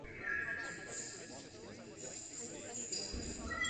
Thus when the mile was run, the race was a four lap race.